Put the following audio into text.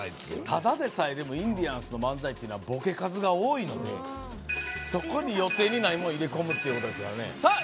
ただでさえでもインディアンスの漫才はボケ数が多いのでそこに予定にないもん入れ込むっていうことですからねさあ